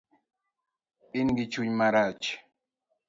Ingi chuny marach